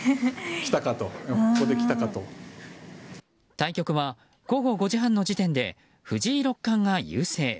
対局は午後５時半の時点で藤井六冠が優勢。